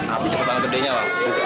api cepet banget gedenya bang